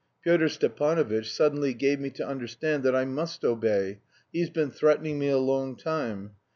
Pyotr Stepanovitch suddenly gave me to understand that I must obey; he's been threatening me a long time.